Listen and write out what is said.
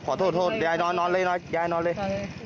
ขอโทษยายนอนเลยนอนยายนอนเลย